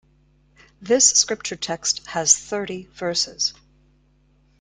This scripture text has thirty Verses.